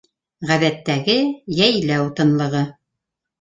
Ғәҙәттәге йәйләү тынлығы.